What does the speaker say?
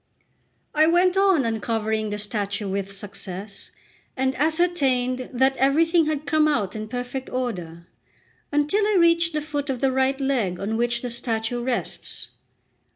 I went on uncovering the statue with success, and ascertained that everything had come out in perfect order, until I reached the foot of the right leg on which the statue rests.